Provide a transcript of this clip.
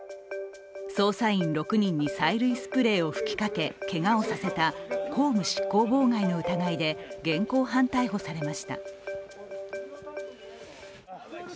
捜査員６人に催涙スプレーを吹きかけけがをさせた公務執行妨害の疑いで現行犯逮捕されました。